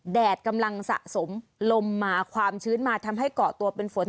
แดดกำลังสะสมลมมาความชื้นมาทำให้เกาะตัวเป็นฝน